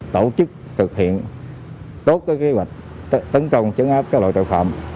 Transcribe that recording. tổ chức thực hiện tốt kế hoạch tấn công chấn áp các loại tội phạm